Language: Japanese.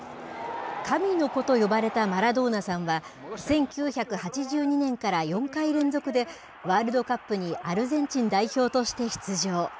神の子と呼ばれたマラドーナさんは、１９８２年から４回連続で、ワールドカップにアルゼンチン代表として出場。